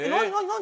何？